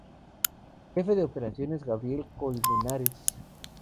Jefe de Operaciones: Gabriel Colmenares.